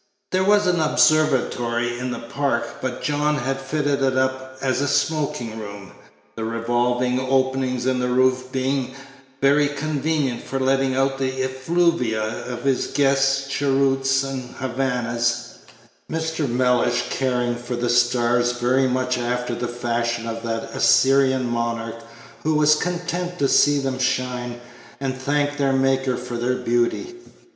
There was an observatory in the park, but John had fitted it up as a smoking room, the revolving openings in the roof being very convenient for letting out the effluvia of his guests' cheroots and Havanas, Mr. Mellish caring for the stars very much after the fashion Page 62 of that Assyrian monarch who was content to see them shine, and thank their Maker for their beauty.